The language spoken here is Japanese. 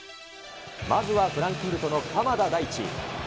まずはフランクフルトの鎌田大地。